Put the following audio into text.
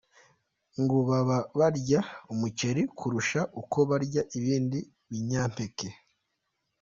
Ngo baba barya umuceri kurusha uko barya ibindi binyampeke.